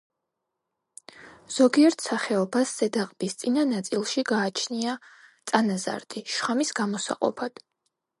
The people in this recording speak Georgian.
ზოგიერთ სახეობას ზედა ყბის წინა ნაწილში გააჩნია წანაზარდი, შხამის გამოსაყოფად.